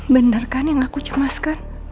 bener kan yang aku cemaskan